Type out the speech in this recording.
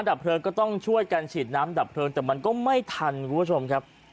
ดับเพลิงก็ต้องช่วยกันฉีดน้ำดับเพลิงแต่มันก็ไม่ทันคุณผู้ชมครับ